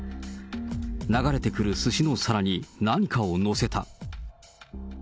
流れてくるすしの皿に、何かを載せた。